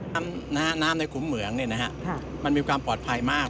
น้ำในขุมเหมืองมันมีความปลอดภัยมาก